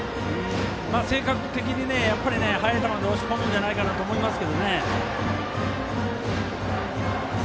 性格的に速い球を押し込むんじゃないかなと思いますけどね。